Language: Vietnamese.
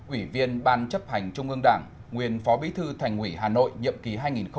ủy viên ban chấp hành trung ương đảng nguyên phó bí thư thành ủy hà nội nhiệm kỳ hai nghìn một mươi năm hai nghìn hai mươi